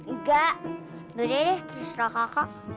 enggak gue deh terus ke kakak